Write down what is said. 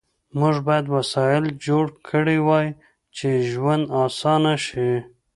موږ باید وسایل جوړ کړي وای چې ژوند آسانه شي